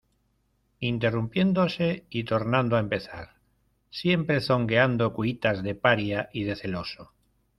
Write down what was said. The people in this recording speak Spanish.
interrumpiéndose y tornando a empezar, siempre zongueando cuitas de paria y de celoso: